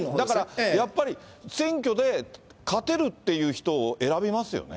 やっぱり選挙で勝てるっていう人を選びますよね。